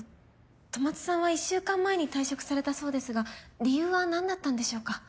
戸松さんは１週間前に退職されたそうですが理由は何だったんでしょうか？